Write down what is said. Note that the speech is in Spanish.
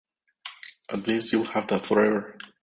At least you'll have that forever.